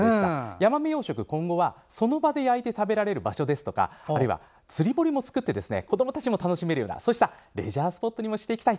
ヤマメ養殖は今後はその場で焼いて食べられる場所ですとかあるいは、釣り堀も作って子どもたちも楽しめるようなそうしたレジャースポットにもしていきたい